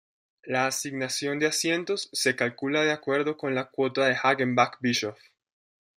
La asignación de asientos se calcula de acuerdo con la cuota de Hagenbach-Bischoff.